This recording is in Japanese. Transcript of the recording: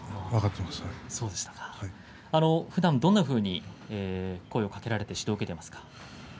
ふだんどういうふうに声をかけられて指導を受けていますか？